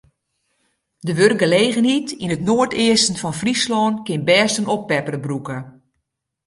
De wurkgelegenheid yn it noardeasten fan Fryslân kin bêst in oppepper brûke.